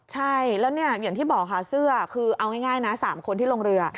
ใช่แล้วเนี่ยอย่างที่บอกค่ะเสื้อคือเอาง่ายนะ๓คนที่ลงเรือ